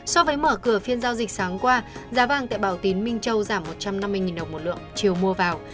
so với mở cửa phiên giao dịch sáng qua giá vàng tại bảo tín minh châu giảm một trăm năm mươi đồng một lượng chiều mua vào